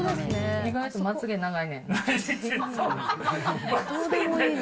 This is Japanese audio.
意外とまつげ長いねんな。